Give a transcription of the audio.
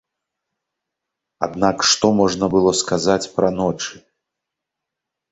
Аднак, што можна было сказаць пра ночы?